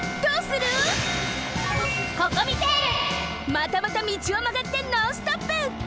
またまた道をまがってノンストップ！